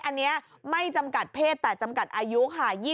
อันนี้ไม่จำกัดเพศแต่จำกัดอายุค่ะ